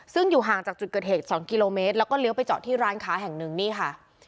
ซึ่งอยู่ห่างจากจุดเกิดเหตุ๒กิโลเมตรแล้วก็เลี้ยวไปเจาะที่ร้านค้าแห่งหนึ่งนี่ค่ะ